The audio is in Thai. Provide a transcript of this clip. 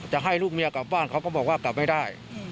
จะให้ลูกเมียกลับบ้านเขาก็บอกว่ากลับไม่ได้